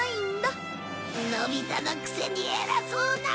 のび太のくせに偉そうな！